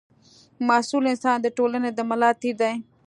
مسوول انسان د ټولنې د ملا تېر دی.